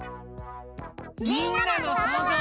みんなのそうぞう。